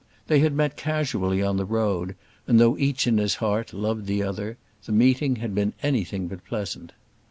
They had met casually on the road, and, though each in his heart loved the other, the meeting had been anything but pleasant.